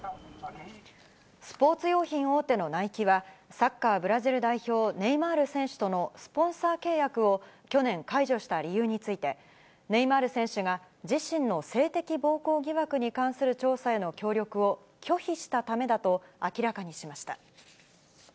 スポーツ用品大手のナイキは、サッカー、ブラジル代表、ネイマール選手とのスポンサー契約を去年、解除した理由について、ネイマール選手が、自身の性的暴行疑惑に関する調査への協力を拒否したためだと明らかにしました。